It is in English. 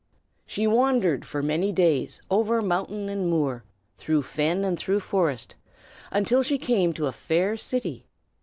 She wandered for many days, over mountain and moor, through fen and through forest, until she came to a fair city.